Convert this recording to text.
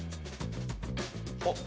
あっ。